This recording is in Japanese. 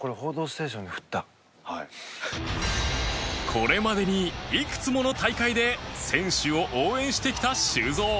これまでにいくつもの大会で選手を応援してきた修造